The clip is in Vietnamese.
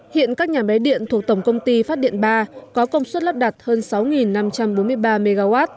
hiện các nhà máy điện thuộc tổng công ty phát điện ba có công suất lắp đặt hơn sáu năm trăm bốn mươi ba mw